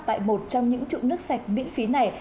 tại một trong những trụ nước sạch miễn phí này